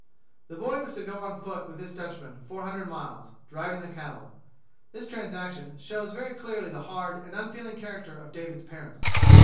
The boy was to go on foot with this Dutchman four hundred miles, driving the cattle. This transaction shows very clearly the hard and unfeeling character of David's parents.